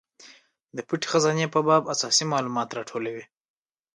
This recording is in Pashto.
د پټې خزانې په باب اساسي مالومات راټولوي.